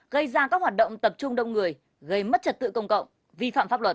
gây ra các hoạt động tập trung đông người gây mất trật tự công cộng vi phạm pháp luật